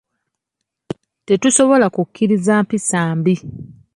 Tetusobola kukkiriza mpisa mbi